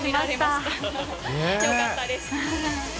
よかったです。